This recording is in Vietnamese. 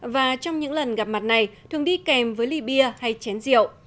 và trong những lần gặp mặt này thường đi kèm với ly bia hay chén rượu